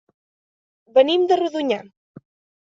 Venim de Rodonyà.